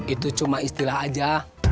itu cuma istilah saja